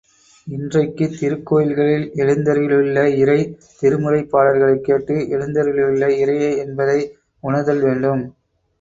இன்றைக்குத் திருக்கோயில்களில் எழுந்தருளியுள்ள இறை, திருமுறைப் பாடல்களைக் கேட்டு எழுந்தருளியுள்ள இறையே என்பதை உணர்தல் வேண்டும்.